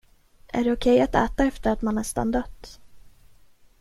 Är det okej att äta efter att man nästan dött?